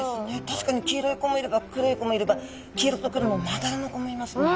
確かに黄色い子もいれば黒い子もいれば黄色と黒のまだらの子もいますもんね。